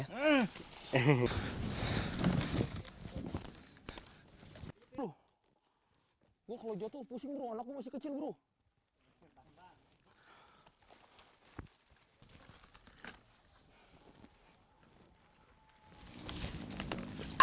kalau jatuh pusing bro anakmu kecil bro